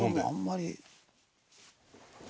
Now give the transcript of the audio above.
あんまり。